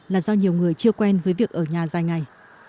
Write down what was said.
là do nhiều người chưa quen với việc ở nhà dài ngày